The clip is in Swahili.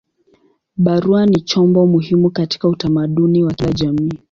Barua ni chombo muhimu katika utamaduni wa kila jamii.